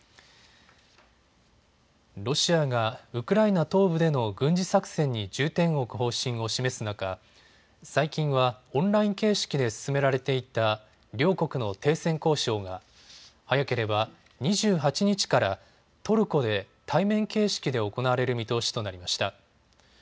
ロシアがウクライナ東部での軍事作戦に重点を置く方針を示す中、最近はオンライン形式で進められていた両国の停戦交渉が早ければ２８日からトルコで対面形式で行われる見通しとなりました。